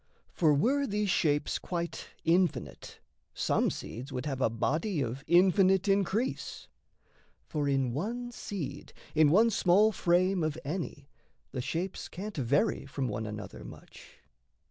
For were these shapes quite infinite, some seeds Would have a body of infinite increase. For in one seed, in one small frame of any, The shapes can't vary from one another much.